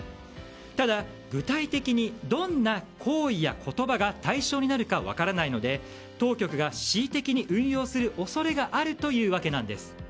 ただ具体的にどんな行為や言葉が対象になるか分からないので当局が恣意的に運用する恐れがあるというわけなんです。